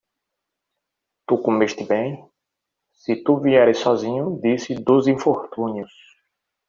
Tu comestes 'bem? se tu vieres sozinho disse dos infortúnios